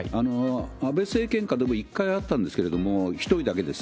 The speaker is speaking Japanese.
安倍政権下でも１回あったんですけれども、１人だけです。